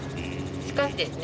しかしですね